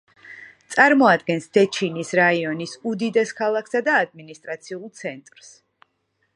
წარმოადგენს დეჩინის რაიონის უდიდეს ქალაქსა და ადმინისტრაციულ ცენტრს.